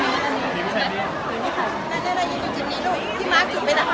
พี่หนุ่มถ่อยนิดนึง